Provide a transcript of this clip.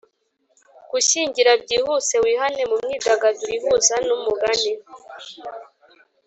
gushyingira byihuse, wihane mu myidagaduro ihuza n'umugani